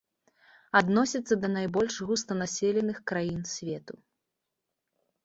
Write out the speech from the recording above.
Адносіцца да найбольш густанаселеных краін свету.